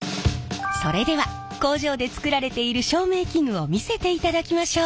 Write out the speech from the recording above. それでは工場で作られている照明器具を見せていただきましょう。